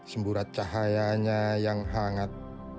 semburat cahayanya yang hangat